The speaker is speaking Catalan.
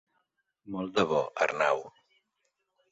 Molt de bo, Arnau.